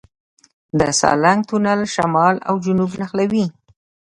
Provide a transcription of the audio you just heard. د سالنګ تونل شمال او جنوب نښلوي